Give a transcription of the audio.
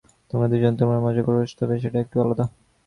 তোমরা দুজন, - তোমরা মজা করো, তবে সেটা একটু আলাদা।